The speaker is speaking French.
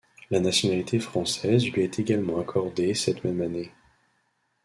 La nationalité française lui est également accordée cette même année.